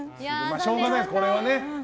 しょうがないです、これは。